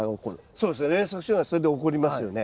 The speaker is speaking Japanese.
そうですね連作障害それでおこりますよね。